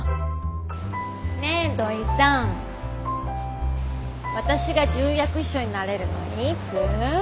ねえ土井さん私が重役秘書になれるのいつ？